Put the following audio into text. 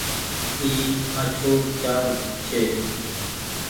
اي آڇهو چآرج ڇي۔